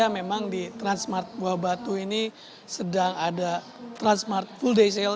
memang di transmart buah batu ini sedang ada transmart full day sale